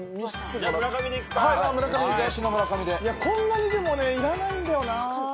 こんなにでもねいらないんだよな。